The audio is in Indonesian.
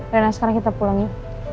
rena sekarang kita pulangin